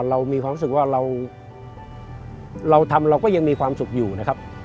เรามีความรู้สึกว่าเราทำเราก็ยังมีความสุขอยู่นะครับ